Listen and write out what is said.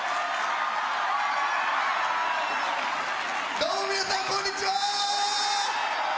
どうも皆さんこんにちは！